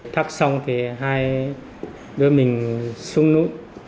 thắt xong thì hai đứa mình xuống núi